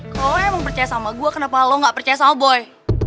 kau emang percaya sama gue kenapa lo gak percaya sama boy